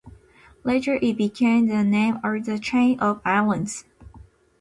Later it became the name of the chain of islands.